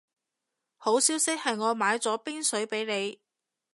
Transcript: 好消息係我買咗冰水畀你